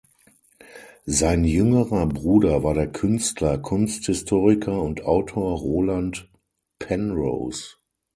Sein jüngerer Bruder war der Künstler, Kunsthistoriker und Autor Roland Penrose.